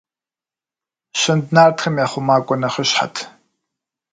Щынд нартхэм я хъумакӀуэ нэхъыщхьэт.